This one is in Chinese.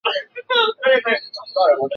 台湾独活为伞形科当归属祁白芷的变种。